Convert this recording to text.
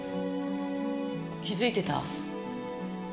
気づいてた？